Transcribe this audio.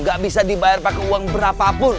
gak bisa dibayar pakai uang berapapun